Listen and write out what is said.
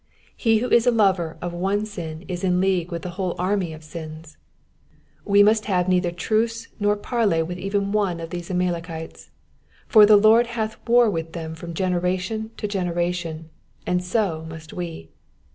He who is a lover of one sin is in league with the whole army of sins ; we must have neither truce nor parley with even one of these Amalekites, for the Lord hath war with them from generation to generation, and so must we.